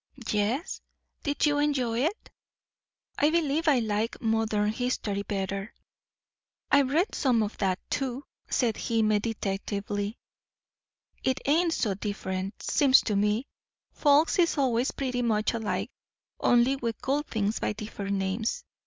"Yes." "Didn't you enjoy it?" "I believe I like Modern history better." "I've read some o' that too," said he meditatively. "It ain't so different. 'Seems to me, folks is allays pretty much alike; only we call things by different names.